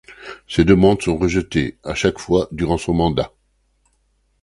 Ses demandes sont rejetées à chaque fois durant son mandat.